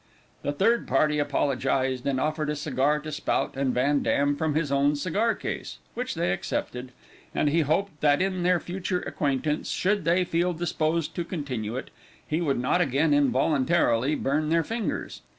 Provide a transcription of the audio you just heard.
Third party apologized, and offered a cigar to Spout and Van Dam from his own cigar case, which they accepted; and he hoped that in their future acquaintance, should they feel disposed to continue it, he would not again involuntarily burn their fingers.